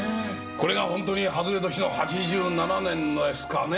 これがホントに外れ年の８７年のですかね？